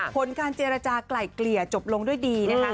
ผลการเจรจากลายเกลี่ยจบลงด้วยดีนะคะ